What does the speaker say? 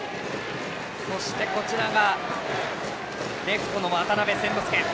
そして、こちらがレフトの渡邉千之亮。